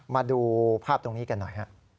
มาดูภาพตรงนี้กันหน่อยฮะ